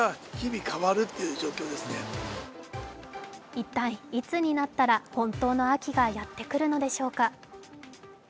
一体いつになったら本当の秋がやってくるのでしょうか。